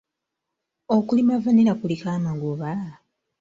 Okulima vanilla kuliko amagoba?